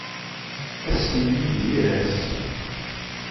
Ass-nni d yir ass.